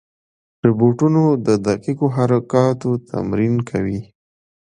روبوټونه د دقیقو حرکاتو تمرین کوي.